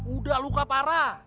udah luka parah